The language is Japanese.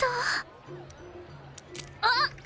あっ！